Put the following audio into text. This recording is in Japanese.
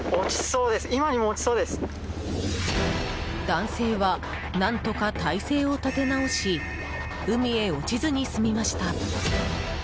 男性は、何とか体勢を立て直し海へ落ちずに済みました。